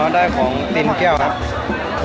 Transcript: อ๋อได้ของติ้นเกลี้ยวครับ